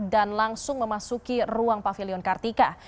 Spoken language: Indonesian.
dan langsung memasuki ruang pavilion kartika